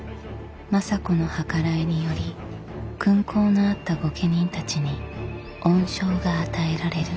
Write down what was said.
政子の計らいにより勲功のあった御家人たちに恩賞が与えられる。